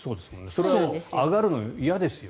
それは上がるのは嫌ですよ。